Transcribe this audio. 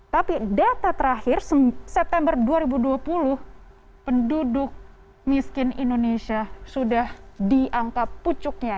tapi data terakhir september dua ribu dua puluh penduduk miskin indonesia sudah diangkat pucuknya